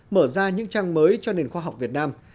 mở ra những trang mới cho nền khoa học việt nam